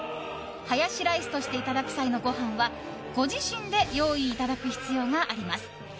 ハヤシライスとしていただく際のご飯はご自身で用意いただく必要があります。